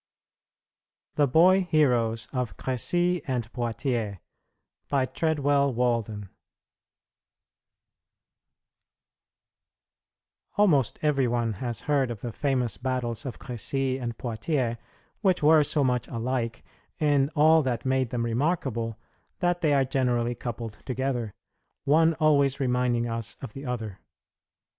THE BOY HEROES OF CRECY AND POITIERS By Treadwell Walden Almost every one has heard of the famous battles of Crecy and Poitiers, which were so much alike in all that made them remarkable that they are generally coupled together, one always reminding us of the other.